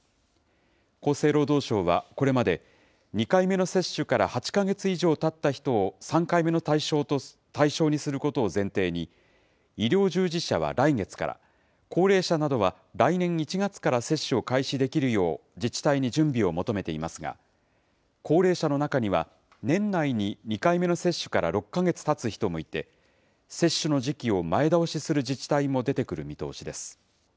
厚生労働省はこれまで、２回目の接種から８か月以上たった人を３回目の対象にすることを前提に、医療従事者は来月から、高齢者などは来年１月から接種を開始できるよう、自治体に準備を求めていますが、高齢者の中には、年内に２回目の接種から６か月たつ人もいて、接種の時期を前倒しする自治体も出てくる見通しです。